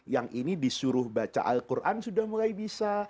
yang ini disuruh baca al quran sudah mulai bisa